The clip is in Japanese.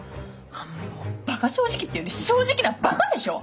もうバカ正直っていうより正直なバカでしょ！